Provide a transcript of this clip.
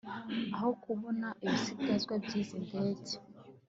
Aho kubona ibisigazwa by’izi ndege